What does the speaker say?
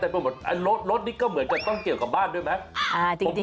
แต่รถนี่ก็เหมือนกับต้องเกี่ยวกับบ้านด้วยไหม